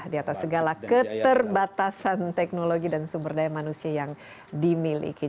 di atas segala keterbatasan teknologi dan sumber daya manusia yang dimiliki